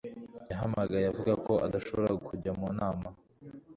yahamagaye avuga ko adashobora kujya mu nama